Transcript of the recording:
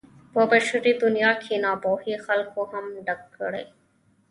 په بشري دنيا کې ناپوهو خلکو هم ډک دی.